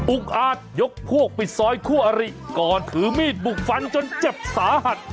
อาจยกพวกปิดซอยคู่อริก่อนถือมีดบุกฟันจนเจ็บสาหัส